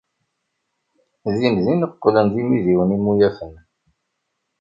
Dindin qqlen d imidiwen imuyafen.